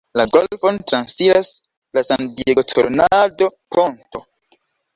La golfon transiras la San-Diego–Coronado Ponto.